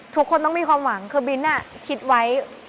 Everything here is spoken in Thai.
ทุกคนต้องมีความหวังคือบินคิดไว้